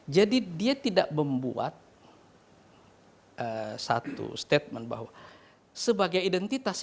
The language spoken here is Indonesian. dia tidak membuat satu statement bahwa sebagai identitas